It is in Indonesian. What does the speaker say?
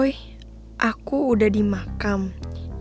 ini aku udah di makam mami aku